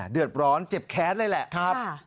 เดือดร้อนเจ็บแค้นได้แหละ